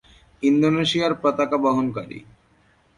ইন্দোনেশিয়ার পতাকা বহনকারী।